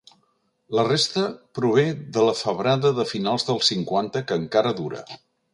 La resta prové de la febrada de finals dels cinquanta que encara dura.